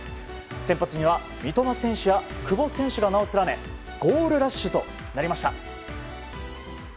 先発には三笘選手や久保選手が名を連ねゴールラッシュとなりました。